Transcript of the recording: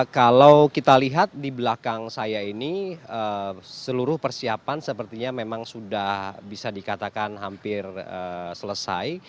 kalau kita lihat di belakang saya ini seluruh persiapan sepertinya memang sudah bisa dikatakan hampir selesai